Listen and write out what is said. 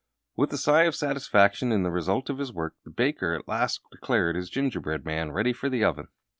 With a sigh of satisfaction in the result of his work, the baker at last declared his gingerbread man ready for the oven.